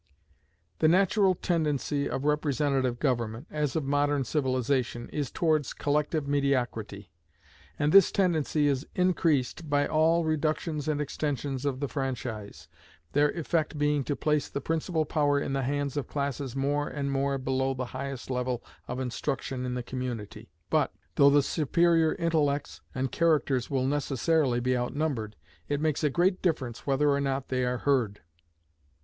The natural tendency of representative government, as of modern civilization, is towards collective mediocrity: and this tendency is increased by all reductions and extensions of the franchise, their effect being to place the principal power in the hands of classes more and more below the highest level of instruction in the community. But, though the superior intellects and characters will necessarily be outnumbered, it makes a great difference whether or not they are heard.